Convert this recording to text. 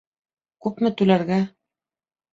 Күпме түләргә?